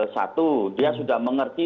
satu dia sudah mengerti